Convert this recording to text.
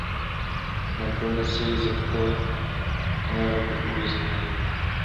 Nakonec jej zatkli a na rok uvěznili.